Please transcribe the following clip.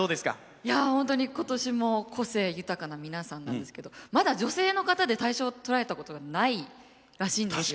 いや本当に今年も個性豊かな皆さんなんですけどまだ女性の方で大賞を取られたことがないらしいんですよ。